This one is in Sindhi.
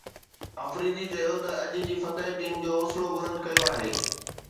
آفريدي چيو ته اج جي فتح ٽيم جو حوصلو بلند ڪيو آهي